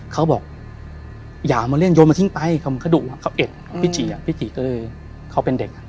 เค้าบอกอย่าเอามาเล่นโยนมาทิ้งไปเขาเกดุเค้าเอ็ดพี่ฉีกะโหลก